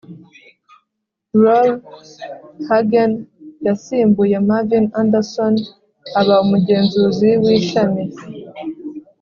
Roar hagen yasimbuye marvin anderson aba umugenzuzi w ishami